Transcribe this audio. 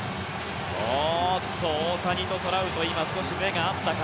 大谷とトラウト今、少し目が合ったか。